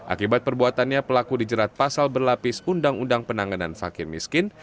akibat perbuatannya pelaku dijerat pasal berlapis undang undang penanganan fakir miskin